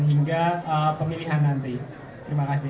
hingga pemilihan nanti terima kasih